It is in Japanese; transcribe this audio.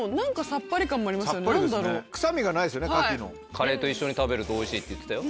カレーと一緒に食べるとおいしいって言ってたよ。